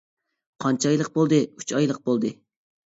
-قانچە ئايلىق بولدى؟ -ئۈچ ئايلىق بولدى.